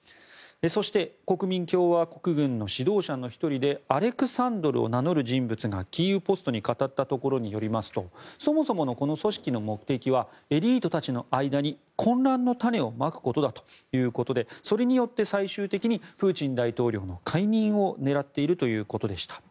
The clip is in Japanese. そして、国民共和国軍の指導者の１人でアレクサンドルを名乗る人物がキーウ・ポストに語ったところによりますとそもそもの、この組織の目的はエリートたちの間に混乱の種をまくことだということでそれによって、最終的にプーチン大統領の解任を狙っているということでした。